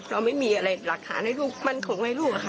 เราไม่มีอะไรหลักฐานให้ลูกมั่นคงให้ลูกอะค่ะ